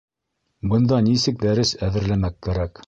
—Бында нисек дәрес әҙерләмәк кәрәк?